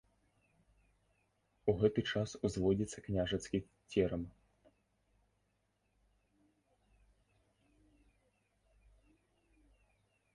У гэты час узводзіцца княжацкі церам.